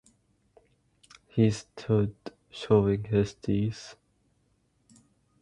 He stood showing his teeth.